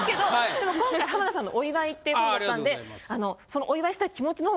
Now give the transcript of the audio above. でも今回浜田さんのお祝いっていうことだったんで。